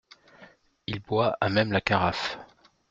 Il boit à même la carafe.